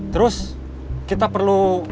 terus kita perlu